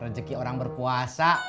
rezeki orang berpuasa